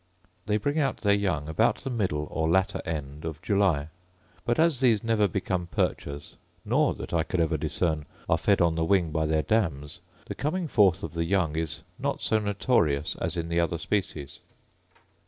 They bring out their young about the middle or latter end of July: but as these never become perchers, nor, that ever I could discern, are fed on the wing by their dams, the coming forth of the young is not so notorious as in the other species.